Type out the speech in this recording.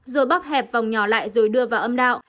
rồi bóp hẹp vòng nhỏ lại rồi đưa vào âm đạo